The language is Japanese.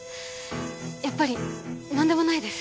やっぱり何でもないです。